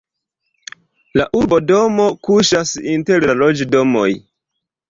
La urbodomo kuŝas inter loĝdomoj.